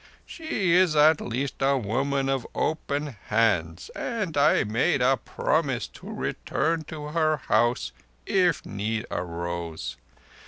She is at least a woman of open hands, and I made a promise to return to her house if need arose.